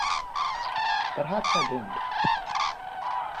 Perhaps I don't.